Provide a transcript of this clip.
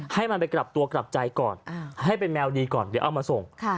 ให้มันไปกลับตัวกลับใจก่อนให้เป็นแมวดีก่อนเดี๋ยวเอามาส่ง